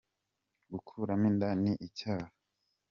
Gukuramo inda ni icyaha.